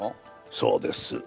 そうです。